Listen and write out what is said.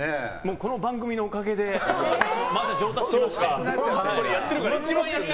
この番組のおかげで上達しまして。